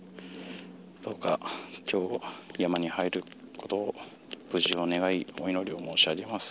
どうか、きょう山に入ることを無事を願い、お祈りを申し上げます。